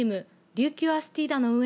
琉球アスティーダの運営